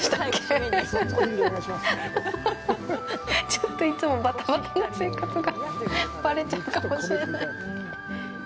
ちょっといつもバタバタな生活がバレちゃうかもしれない。